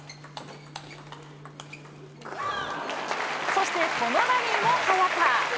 そして、このラリーも早田。